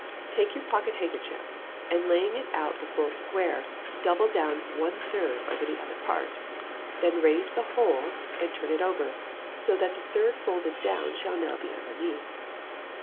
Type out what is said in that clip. Take your pocket handkerchief, and laying it out the full square, double down one third over the other part. Then raise the whole and turn it over, so that the third folded down shall now be underneath.